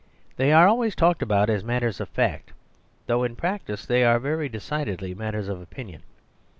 They are always talked about as matters of fact; though in practice they are very decidedly matters of opinion.